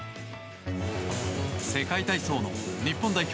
世界体操の日本代表